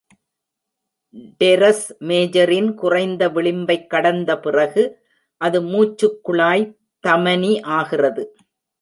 Teres மேஜரின் குறைந்த விளிம்பைக் கடந்த பிறகு, அது மூச்சுக்குழாய் தமனி ஆகிறது.